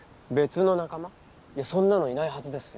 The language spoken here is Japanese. いやそんなのいないはずですよ。